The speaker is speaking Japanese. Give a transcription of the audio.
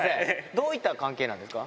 どういった関係なんですか？